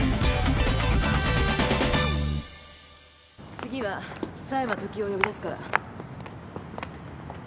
次は狭山時夫を呼び出すから。